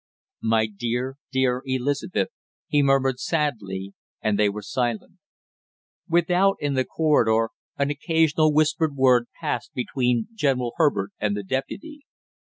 "My dear, dear Elizabeth!" he murmured sadly, and they were silent. Without, in the corridor, an occasional whispered word passed between General Herbert and the deputy.